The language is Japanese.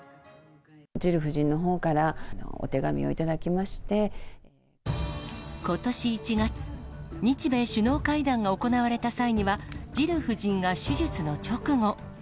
ジル夫人のほうから、お手紙ことし１月、日米首脳会談が行われた際には、ジル夫人が手術の直後。